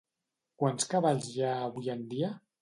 Quants cavalls hi ha avui en dia?